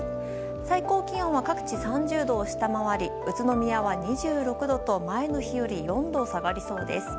最高気温は各地３０度を下回り宇都宮は２６度と前の日より４度下がりそうです。